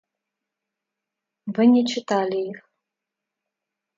Вы не читали их.